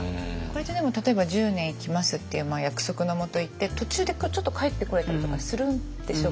これってでも例えば１０年行きますっていう約束のもと行って途中でちょっと帰ってこれたりとかするんでしょうか？